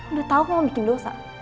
udah tau kamu bikin dosa